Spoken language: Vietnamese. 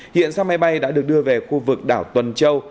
hiện xe máy bay đã được đưa về khu vực đảo tuần châu